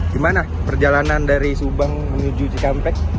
gimana perjalanan dari subang menuju cikampek